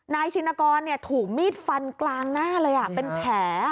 ชินกรถูกมีดฟันกลางหน้าเลยเป็นแผล